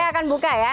saya akan buka ya